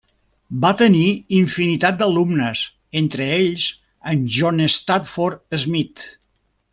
Va tenir infinitat d'alumnes entre ells en John Stafford Smith.